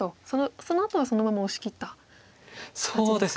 そのあとはそのまま押しきった感じですか。